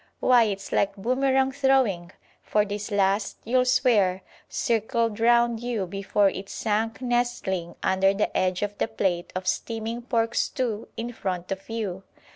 Why, it's like boomerang throwing, for this last, you'll swear, circled round you before it sank nestling under the edge of the plate of steaming pork stew in front of you.